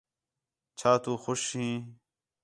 چَھا تُو خُوش ہیں